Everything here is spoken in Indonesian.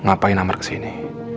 ngapain amar ke sini